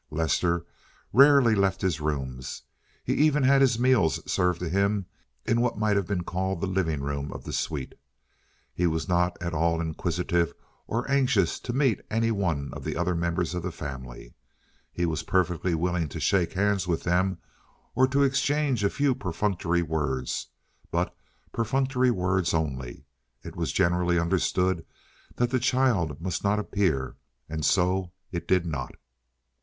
Lester rarely left his rooms, he even had his meals served to him in what might have been called the living room of the suite. He was not at all inquisitive or anxious to meet any one of the other members of the family. He was perfectly willing to shake hands with them or to exchange a few perfunctory words, but perfunctory words only. It was generally understood that the child must not appear, and so it did not.